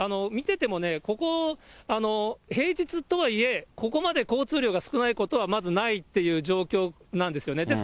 見ててもね、ここ、平日とはいえ、ここまで交通量が少ないことはまずないっていう状況なんですよね。